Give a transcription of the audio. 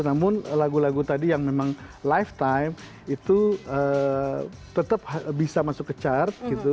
namun lagu lagu tadi yang memang lifetime itu tetap bisa masuk ke chart gitu